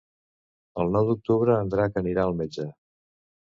El nou d'octubre en Drac anirà al metge.